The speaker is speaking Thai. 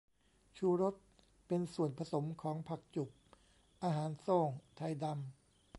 ชูรส เป็นส่วนผสมของ ผักจุบ อาหารโซ่ง ไทดำ